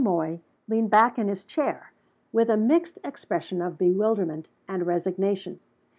Moy leaned back in his chair, with a mixed expression of bewilderment and resignation.